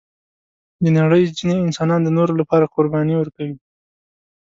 د نړۍ ځینې انسانان د نورو لپاره قرباني ورکوي.